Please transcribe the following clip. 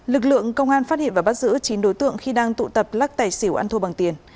lực lượng công an phát hiện và bắt giữ chín đối tượng khi đang tụ tập lắc tài xỉu ăn thua bằng tiền